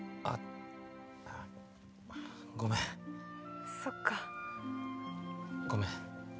あっごめんそっかごめん